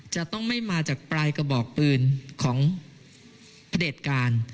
จะต้องไม่มาจากปลายกระบอกปืนของพระเด็จการ